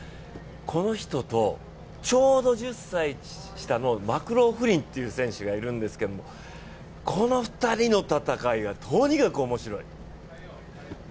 この人と、ちょうど１０歳年下のマクローフリンという選手がいるんですけどこの２人の戦いがとにかく面白い。